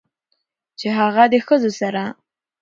چې هغه د ښځو سره